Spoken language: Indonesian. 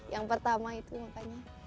yang pertama itu makanya